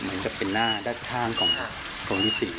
เหมือนกับเป็นหน้าด้านข้างของตรงที่๔